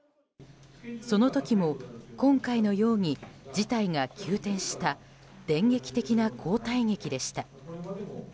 その時も、今回のように事態が急転した電撃的な交代劇でした。